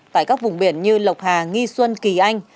tại các vùng biển như lộc hà nghi xuân kỳ anh